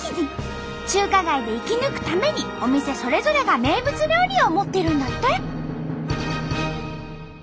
中華街で生き抜くためにお店それぞれが名物料理を持ってるんだって。